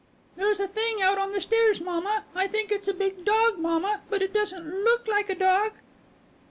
"There's a thing out on the stairs, mamma. I think it's a big dog, mamma, but it doesn't look like a dog."